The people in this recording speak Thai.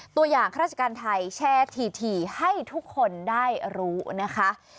ตัวอย่างข้าราชการไทยแชร์ถี่ให้ทุกคนได้รู้นะคะ